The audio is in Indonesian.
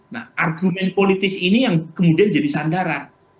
nah argumen politis ini yang kemudian jadi sandara